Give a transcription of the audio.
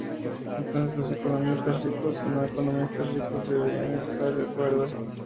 Entonces los economistas ricos y no-economistas ricos deberían estar de acuerdo.